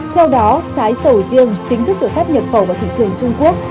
theo đó trái sầu riêng chính thức được phép nhập khẩu vào thị trường trung quốc